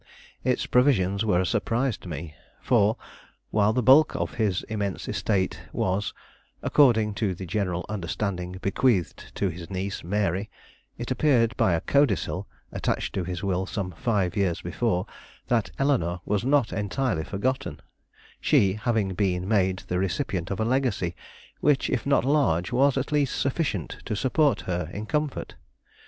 Its provisions were a surprise to me; for, while the bulk of his immense estate was, according to the general understanding, bequeathed to his niece, Mary, it appeared by a codicil, attached to his will some five years before, that Eleanore was not entirely forgotten, she having been made the recipient of a legacy which, if not large, was at least sufficient to support her in comfort.